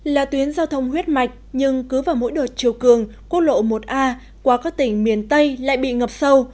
là tuyến giao thông huyết mạch nhưng cứ vào mỗi đợt chiều cường quốc lộ một a qua các tỉnh miền tây lại bị ngập sâu